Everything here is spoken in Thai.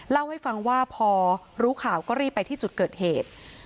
เล่าให้ฟังว่าพอรู้ข่าวก็รีบไปที่จุดเกิดเหตุ